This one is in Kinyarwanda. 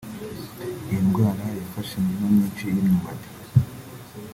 Iyi ndwara yafashe imirima myishi y’imyumbati